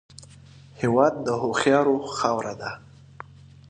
هېواد د هوښیارو خاوره ده